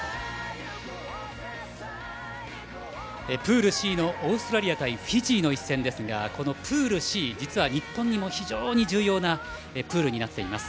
プールＣのオーストラリア対フィジーの一戦ですがこのプールＣ実は日本にも非常に重要なプールになっています。